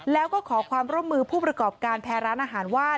แล้วก็ขอความร่วมมือผู้ประกอบการแพ้ร้านอาหารว่า